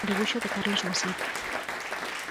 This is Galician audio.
Debuxo de Carlos Maside.